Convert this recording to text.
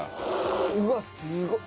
うわっすごっ。